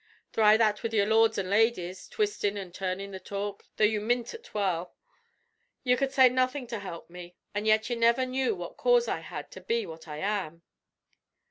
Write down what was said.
"Thry that wid your lorrds an' ladies, twistin' an' turnin' the talk, tho' you mint ut well. Ye cud say nothin' to help me, an' yet ye never knew what cause I had to be what I am."